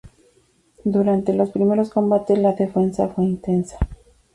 Durante los primeros combates la defensa fue intensa.